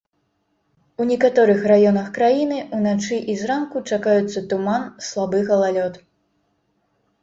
У некаторых раёнах краіны ўначы і зранку чакаюцца туман, слабы галалёд.